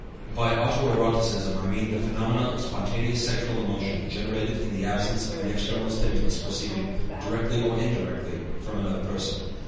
By "auto erotism" I mean the phenomena of spontaneous sexual emotion generated in the absence of an external stimulus proceeding, directly or indirectly, from another person.